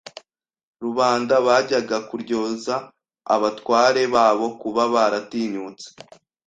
Rubanda bajyaga kuryoza abatware babo kuba baratinyutse